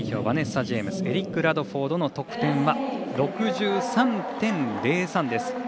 バネッサ・ジェイムスエリック・ラドフォードの得点は６３．０３です。